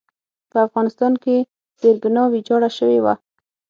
په افغانستان کې زېربنا ویجاړه شوې وه.